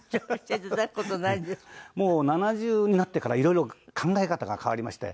もう７０になってからいろいろ考え方が変わりまして。